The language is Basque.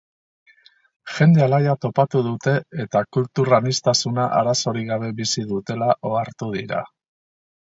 Jende alaia topatu dute eta kultur aniztasuna arazorik gabe bizi dutela ohartu dira.